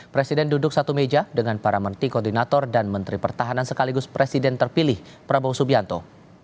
presiden duduk satu meja dengan para menteri koordinator dan menteri pertahanan sekaligus presiden terpilih prabowo subianto